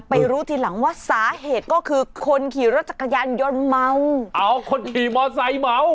รู้ทีหลังว่าสาเหตุก็คือคนขี่รถจักรยานยนต์เมาเอาคนขี่มอไซค์เมา